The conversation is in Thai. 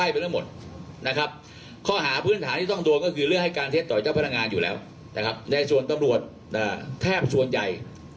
เป็นแต่ละคนแตกต่างกันไป